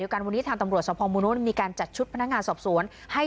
มีการจัดชุดพนักงานสอบสวนให้ชาวบ้านที่ได้รับ